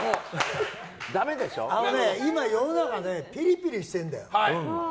今、世の中がピリピリしてるんだよ。